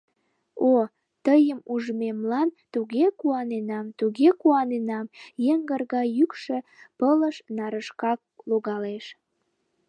— О, тыйым ужмемлан туге куаненам, туге куаненам, — йыҥгыр гай йӱкшӧ пылыш нарышкак логалеш.